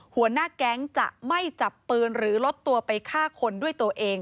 หัวหน้าแก๊งจะไม่จับปืนหรือลดตัวไปฆ่าคนด้วยตัวเอง